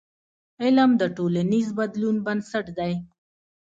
علم د ټولنیز بدلون بنسټ دی.